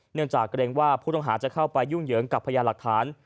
เนื่องจากเกรงว่าผู้ต้องหาจะเข้าไปยุ่งเหยิงกับพยานหลักฐาน